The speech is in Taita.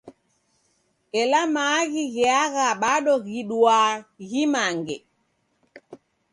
Ela maaghi ghaenga bado ghiduaa ghimange.